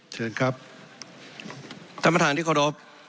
เชิญครับท่านประธานที่เคารพ